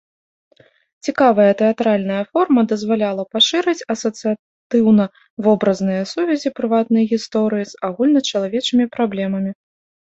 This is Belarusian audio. Цікавая тэатральная форма дазваляла пашырыць асацыятыўна-вобразныя сувязі прыватнай гісторыі з агульначалавечымі праблемамі.